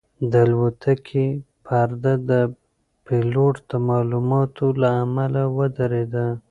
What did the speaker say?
د الوتکې پرده د پیلوټ د معلوماتو له امله ودرېده.